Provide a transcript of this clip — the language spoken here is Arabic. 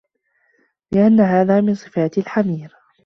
لِأَنَّ هَذَا مِنْ صِفَاتِ الْحَمِيرِ